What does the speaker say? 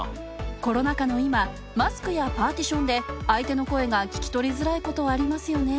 コロナ禍の今、マスクやパーティションで相手の声が聞き取りづらいこと、ありますよね。